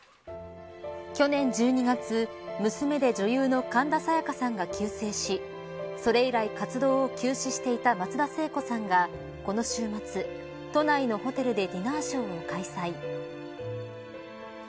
去年１２月娘で女優の神田沙也加さんが急逝しそれ以来、活動を休止していた松田聖子さんがこの週末、都内のホテルでディナーショーを開催。